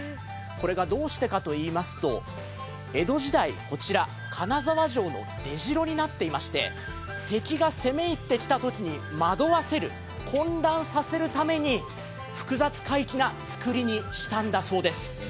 これがどうしてかといいますと、江戸時代こちら、金沢城の出城になっておりまして敵が攻め入ってきたときに惑わせる、混乱させるために複雑怪奇なつくりにしたんだそうです。